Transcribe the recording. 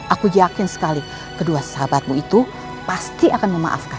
aku yakin sekali kedua sahabatmu itu pasti akan memaafkan